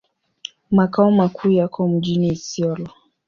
Makao makuu yako mjini Isiolo.